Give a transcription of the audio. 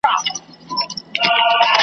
پر وطن يې جوړه كړې كراري وه .